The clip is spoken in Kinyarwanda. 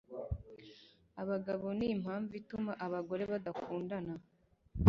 Abagabo nimpamvu ituma abagore badakundana